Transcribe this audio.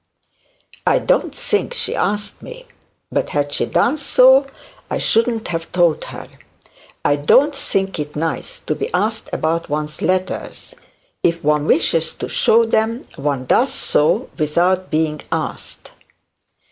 'I don't think she asked me. But had she done so I should not have told her. I don't think it nice to be asked about one's letters. If one wishes to show them one does so without being asked.'